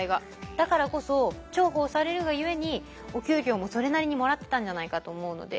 だからこそ重宝されるがゆえにお給料もそれなりにもらってたんじゃないかと思うので。